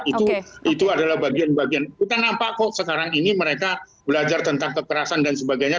itu adalah bagian bagian kita nampak kok sekarang ini mereka belajar tentang kekerasan dan sebagainya